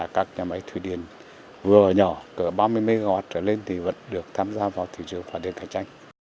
các nhà máy đều nói chung là